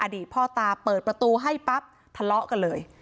พ่อตาเปิดประตูให้ปั๊บทะเลาะกันเลย